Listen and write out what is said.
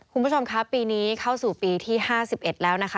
คุณผู้ชมครับปีนี้เข้าสู่ปีที่๕๑แล้วนะคะ